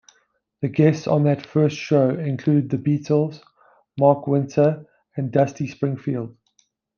The guests on that first show included The Beatles, Mark Wynter and Dusty Springfield.